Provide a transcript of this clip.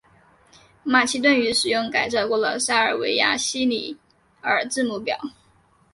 马其顿语使用改造过的塞尔维亚西里尔字母表。